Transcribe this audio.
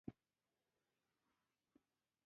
همدا د اورېدو او د غوږ اېښودنې ترمنځ توپی ر دی.